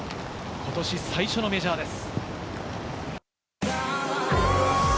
今年最初のメジャーです。